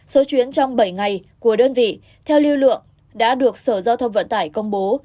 số chuyến trong bảy ngày của đơn vị theo lưu lượng đã được sở giao thông vận tải công bố